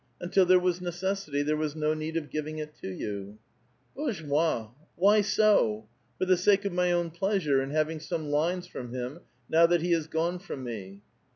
Until there was necessity, there was no need of giving it to you." *' Bozhe moi! Why sof For the sake of my own pleasure in having some lines from him, now that he has gone from me!"